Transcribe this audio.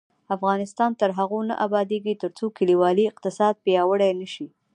افغانستان تر هغو نه ابادیږي، ترڅو کلیوالي اقتصاد پیاوړی نشي.